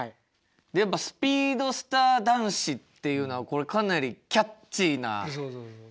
やっぱ「スピードスター男子」っていうのはこれかなりキャッチーなフレーズですよね。